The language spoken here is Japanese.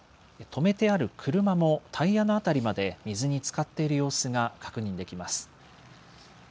止めてある車もタイヤの辺りまで水につかっている様子が確認できます。